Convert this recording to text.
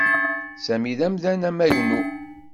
Sami d amdan amagnu.